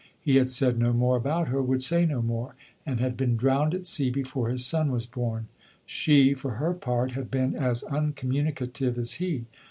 He had said no more about her, would say no more, and had been drowned at sea before his son was born. She, for her part, had been as uncommunicative as he.